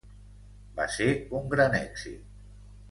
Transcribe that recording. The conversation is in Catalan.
Va ser un gran èxit.